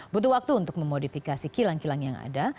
butuh waktu untuk memodifikasi kilang kilang yang ada